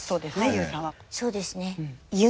ＹＯＵさんは？